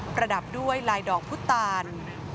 ประดับด้วยลายดอกพุตาล